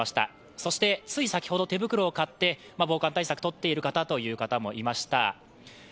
そしてつい先ほど、手袋を買って防寒対策をとっている方もいました。